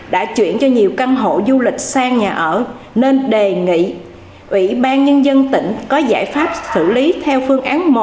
đã chuyển cho nhiều căn hộ du lịch sang nhà ở nên đề nghị ủy ban nhân dân tỉnh có giải pháp xử lý theo phương án một